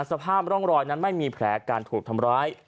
สภาพร่องรอยนั้นไม่มีแผลการถูกทำร้าย